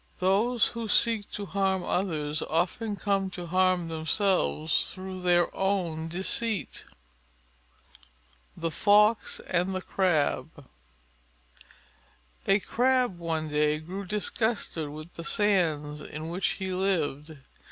Those who seek to harm others often come to harm themselves through their own deceit. THE FOX AND THE CRAB A Crab one day grew disgusted with the sands in which he lived.